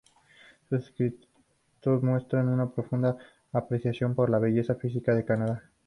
Sus escritos muestran una profunda apreciación por la belleza física de Canadá.